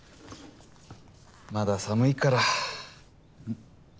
まだ寒いから。